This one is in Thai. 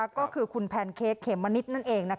ก็คือคุณแพนเค้กเขมมะนิดนั่นเอง